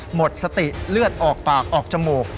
หมดสติเลือดออกปากออกจมูก